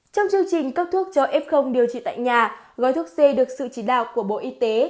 trong chương trình cấp thuốc cho f điều trị tại nhà gói thuốc c được sự chỉ đạo của bộ y tế